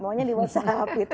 maunya di whatsapp